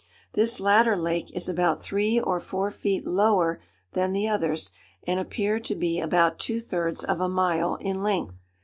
This latter lake is about three or four feet lower than the others, and appeared to be about two thirds of a mile in length.